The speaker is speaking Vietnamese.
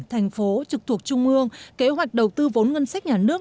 thành phố trực thuộc trung ương kế hoạch đầu tư vốn ngân sách nhà nước